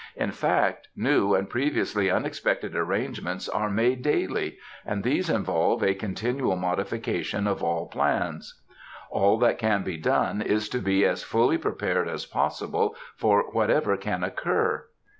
In fact, new and previously unexpected arrangements are made daily, and these involve a continual modification of all plans. All that can be done is to be as fully prepared as possible for whatever can occur....